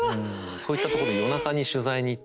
そういったとこで夜中に取材に行ったりとか。